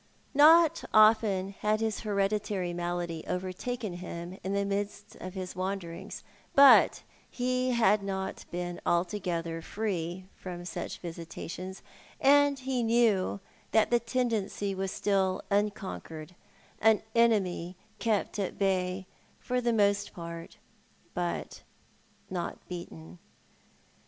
Not often had his hereditary malady overtaken him in the midst of his wanderings, but he had not been altogether free from such visitations, and he knew that the tendency was' still unconquered, an enemy kept at bay, for the most part, but not beaten.